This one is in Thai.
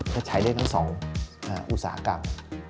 ก็ใช้ได้ทั้ง๒อุตสาหกรรม